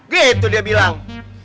gitu dia bilang